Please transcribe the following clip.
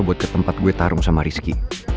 buat ke tempat gue tarung sama rizky